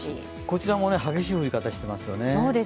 こちらも激しい降り方をしています。